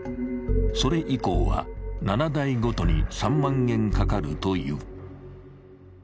それ以降は７代ごとに３万円かかるという。